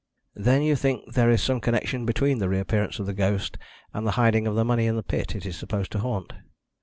"Then you think there is some connection between the reappearance of the ghost and the hiding of the money in the pit it is supposed to haunt?"